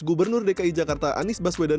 gubernur dki jakarta anies baswedan